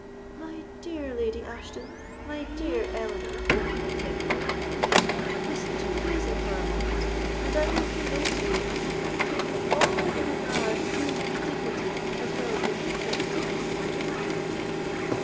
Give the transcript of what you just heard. "My dear Lady Ashton—my dear Eleanor [Margaret]," said the Lord Keeper, "listen to reason for a moment, and I will convince you I have acted with all the regard due to the dignity, as well as the interest, of my family."